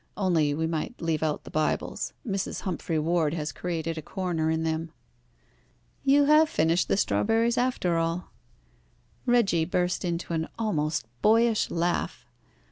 Only we might leave out the Bibles. Mrs. Humphrey Ward has created a corner in them." "You have finished the strawberries after all." Reggie burst into an almost boyish laugh.